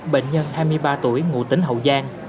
bệnh nhân hai mươi ba tuổi ngụ tính hậu gian